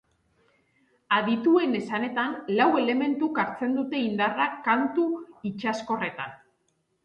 Adituen esanetan lau elementuk hartzen dute indarra kantu itsaskorretan.